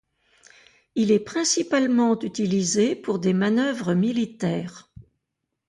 Il est principalement utilisé pour des manœuvres militaires.